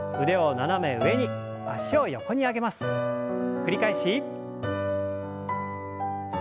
繰り返し。